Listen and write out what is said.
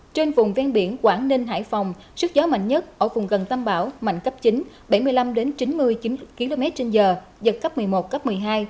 trên vùng ven biển quảng ninh hải phòng sức gió mạnh nhất ở vùng gần tâm bão mạnh cấp chín bảy mươi năm chín mươi chín km trên giờ giật cấp một mươi một cấp một mươi hai